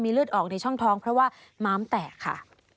เลือดออกในช่องท้องเพราะว่าม้ามแตกค่ะ